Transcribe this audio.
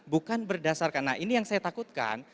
bukan berdasarkan nah ini yang saya takutkan